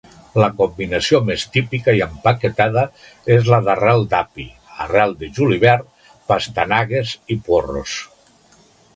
La combinació més típica i empaquetada és la d'arrel d'api, arrel de julivert, pastanagues i porros.